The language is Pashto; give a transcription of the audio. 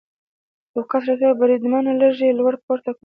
یو کس راته وویل: بریدمنه، لږ یې لوړ پورته کوه.